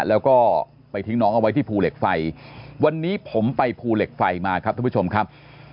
แล้วก็ไปทิ้งน้องเอาไว้ที่ภูเหล็กไฟวันนี้ผมไปภูเหล็กไฟมาครับท่านผู้ชมครับ